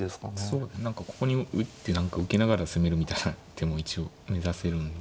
そう何かここに打って受けながら攻めるみたいな手も一応目指せるんで。